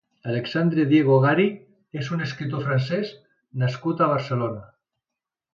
Alexandre Diego Gary és un escriptor francès nascut a Barcelona.